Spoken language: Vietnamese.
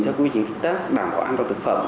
theo quy trình thích tác đảm bảo an toàn thực phẩm